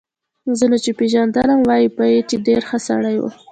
ځینو چې پېژندلم وايي به چې ډېر ښه سړی و